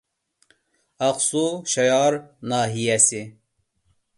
ئاقسۇ شايار ناھىيەسى